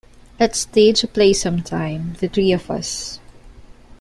Let's stage a play sometime, the three of us.